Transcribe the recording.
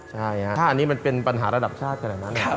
ใช่ครับถ้าอันนี้มันเป็นปัญหาระดับชาติก็แหละนั้น